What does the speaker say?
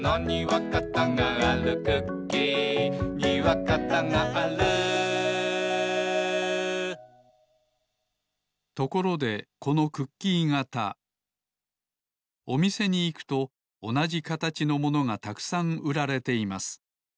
「だれだれだれじん」ところでこのクッキー型おみせにいくとおなじかたちのものがたくさんうられています。